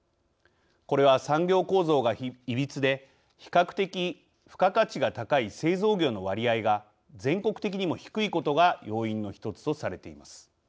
これは産業構造がいびつで比較的付加価値が高い製造業の割合が全国的にも低いことが要因の１つとされています。